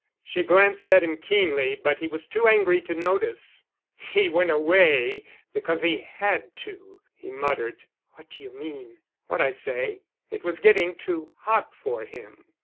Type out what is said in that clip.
She glanced at him keenly but he was too angry to notice. "He went—away—because he had to," he muttered. "What do you mean?" "What I say. It was getting too hot for him."